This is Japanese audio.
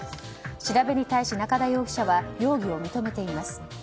調べに対し、中田容疑者は容疑を認めています。